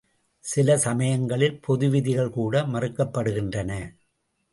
சில சமயங்களில் பொதுவிதிகள் கூட மறுக்கப்படுகின்றன.